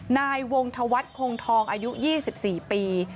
นายวงธวัฒน์คงทองอายุ๒๔ปี